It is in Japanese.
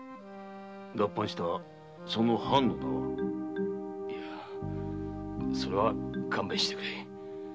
脱藩したその藩の名は？それは勘弁してくれ。